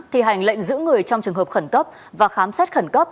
thi hành lệnh giữ người trong trường hợp khẩn cấp và khám xét khẩn cấp